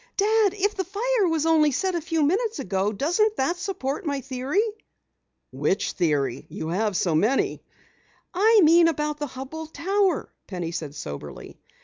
"Dad, if the fire was set only a few minutes ago, doesn't that support my theory?" "Which theory? You have so many." "I mean about the Hubell Tower," Penny said soberly.